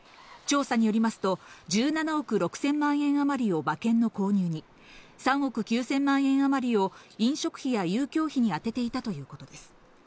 調査によりますと、１７億６０００万円あまりを馬券の購入に、３億９０００万円あまりを飲食費や遊興費にあてていたということです。